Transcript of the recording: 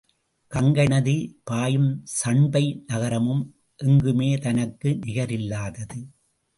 கங்கை நதி பாயும் சண்பை நகரம் எங்குமே தனக்கு நிகரில்லாதது.